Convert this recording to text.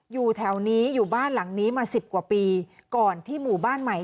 อยู่แถวนี้อยู่บ้านหลังนี้มาสิบกว่าปีก่อนที่หมู่บ้านใหม่